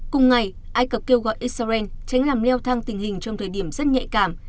cùng ngày ai cập kêu gọi israel tránh làm leo thang tình hình trong thời điểm rất nhạy cảm